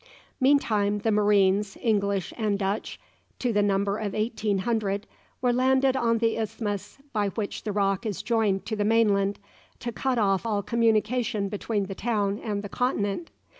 Meantime the marines, English and Dutch, to the number of eighteen hundred, were landed on the isthmus by which the rock is joined to the mainland, to cut off all communication between the town and the continent.